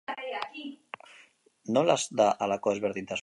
Nolaz da halako ezberdintasuna?